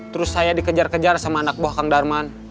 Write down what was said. terus saya dikejar kejar sama anak buah kang darman